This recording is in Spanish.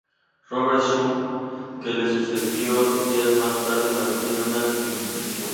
Robert Schuman, que le sucede días más tarde, mantiene esta invitación.